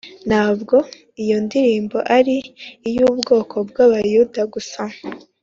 ntabwo iyo ndirimboari iy’ubwoko bw’abayuda gusa.